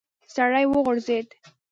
سړی وغورځېد.